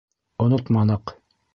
— Онотманыҡ.